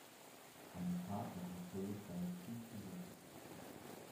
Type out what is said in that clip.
Eine Fahrt nach Rousay dauert fünf Minuten.